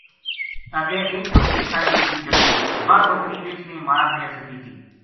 اَگے ایک بکری کھادی وی لَبھی واہ بکری رِچھ نے مار کے سَٹی تھی